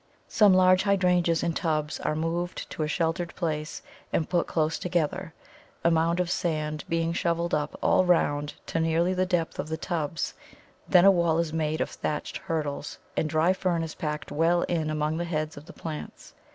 Some large Hydrangeas in tubs are moved to a sheltered place and put close together, a mound of sand being shovelled up all round to nearly the depth of the tubs; then a wall is made of thatched hurdles, and dry fern is packed well in among the heads of the plants.